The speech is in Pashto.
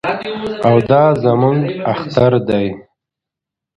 او دا زموږ اختر دی.